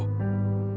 aku mengerti yang mulia